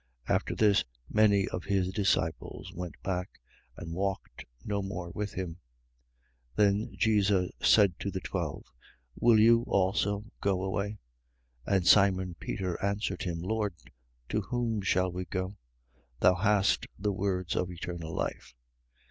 6:67. After this, many of his disciples went back and walked no more with him. 6:68. Then Jesus said to the twelve: Will you also go away? 6:69. And Simon Peter answered him: Lord, to whom shall we go? Thou hast the words of eternal life.